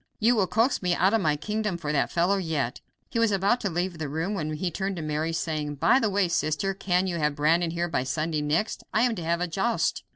You will coax me out of my kingdom for that fellow yet." He was about to leave the room when he turned to Mary, saying: "By the way, sister, can you have Brandon here by Sunday next? I am to have a joust."